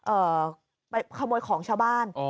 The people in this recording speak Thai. ไปขโมยของชาวบ้าน